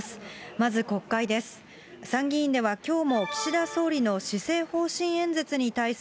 まず国会です。